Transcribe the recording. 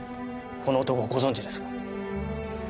この男ご存じですか？